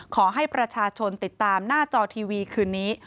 ขอให้ประชาชนติดตามหน้าจอทีวีคืนนี้